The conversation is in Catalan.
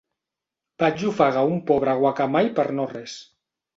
Vaig ofegar un pobre guacamai per no res.